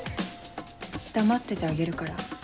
黙っててあげるから。